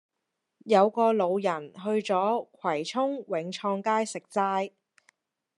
有個老人去左葵涌永創街食齋